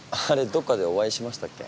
どっかでお会いしましたっけ？